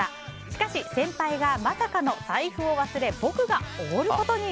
しかし、先輩がまさかの財布を忘れ僕がおごることに。